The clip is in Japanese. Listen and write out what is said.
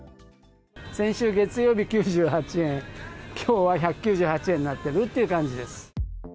先週月曜日９８円、きょうは１９８円になってるって感じです。